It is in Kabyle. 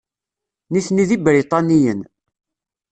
Nitni d Ibriṭaniyen.